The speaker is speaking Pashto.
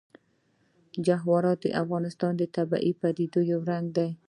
جواهرات د افغانستان د طبیعي پدیدو یو رنګ دی.